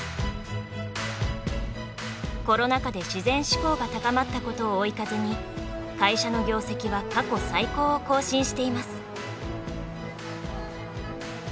コロナ禍で自然志向が高まったことを追い風に会社の業績は過去最高を更新しています。